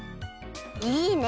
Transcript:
いいね！